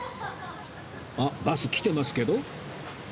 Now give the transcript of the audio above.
あっバス来てますけど？